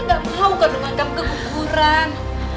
aku gak mau kandungan kamu kekuburan